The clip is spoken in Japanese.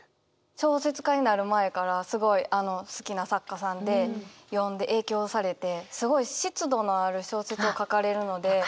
小説家になる前からすごい好きな作家さんで読んで影響されてすごい湿度のある小説を書かれるので。